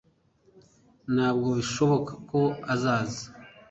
ntabwo bishoboka ko azaza